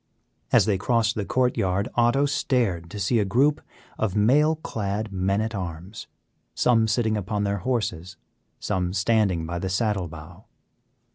As they crossed the court yard Otto stared to see a group of mail clad men at arms, some sitting upon their horses, some standing by the saddle bow.